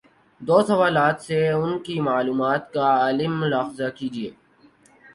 دو سوالات سے ان کی معلومات کا عالم ملاحظہ کیجیے۔